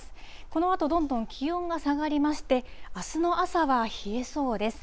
このあと、どんどん気温が下がりまして、あすの朝は冷えそうです。